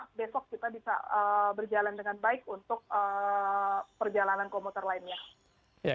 terimplementasinya perusahaan juga bisa berjalan dengan baik untuk perjalanan komputer lainnya